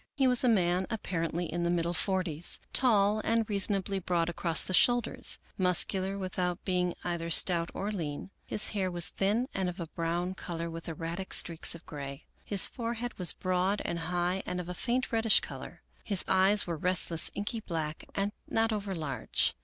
He was a man apparently in the middle forties ; tall and reasonably broad across the shoulders ; muscular without be ing either stout or lean. His hair was thin and of a brown color, with erratic streaks of gray. His forehead was broad and high and of a faint reddish color. His eyes were rest less inky black, and not over large.